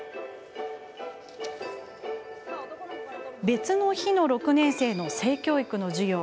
別の日の６年生の性教育の授業。